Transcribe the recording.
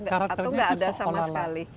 atau nggak ada sama sekali